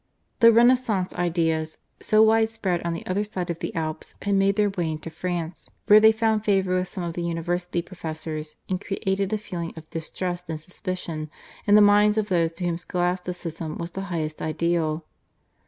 The Renaissance ideas, so widespread on the other side of the Alps, had made their way into France, where they found favour with some of the university professors, and created a feeling of distrust and suspicion in the minds of those to whom Scholasticism was the highest ideal.